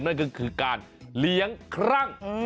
นั่นก็คือการเลี้ยงครั่ง